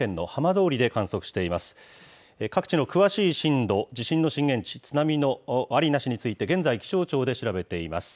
各地の詳しい震度、地震の震源地、津波のありなしについて、現在、気象庁で調べています。